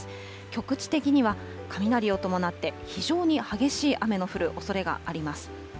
局地的には雷を伴って非常に激しい雨の降るおそれがあります。